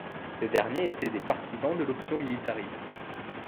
Ces derniers étaient des partisans de l'option militariste.